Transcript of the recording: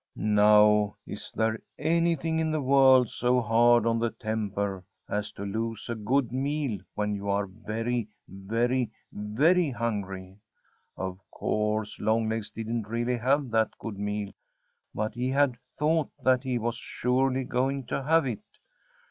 Now is there anything in the world so hard on the temper as to lose a good meal when you are very, very, very hungry? Of course Longlegs didn't really have that good meal, but he had thought that he was surely going to have it.